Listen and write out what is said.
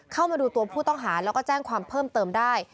เข้ามาดูตัวผู้ต้องหาแล้วก็แจ้งความเพิ่มเติมได้